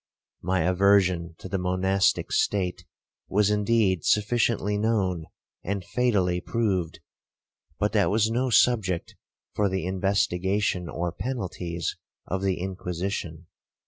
My aversion to the monastic state was indeed sufficiently known and fatally proved, but that was no subject for the investigation or penalties of the Inquisition.